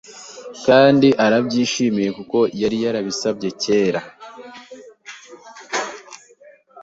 Kandi arabyishimiye kuko yari yarabisabyekera